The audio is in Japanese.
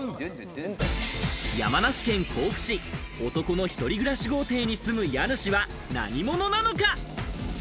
山梨県甲府市、男の一人暮らし豪邸の住む家主は何者なのか？